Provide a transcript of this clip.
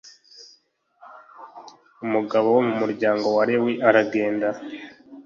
Umugabo wo mu muryango wa Lewi aragenda